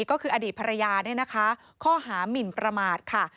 ก็คืออดีตภรรยาเนี่ยนะคะข้อหามินประมาทค่ะ